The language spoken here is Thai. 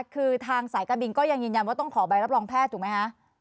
คือทางสายการบินก็ยังยืนยันว่าต้องขอใบรับรองแพทย์ถูกไหมคะ